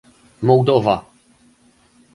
Mołdowa